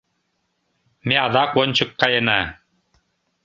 Ме адак ончык каена.